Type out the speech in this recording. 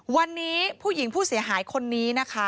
วันนี้ผู้หญิงผู้เสียหายคนนี้นะคะ